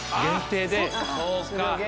そうか。